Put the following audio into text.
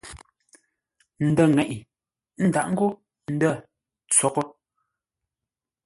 Ndə̂ ŋeʼe, ə́ ndâʼ ngô ndə̂ tsoghʼə.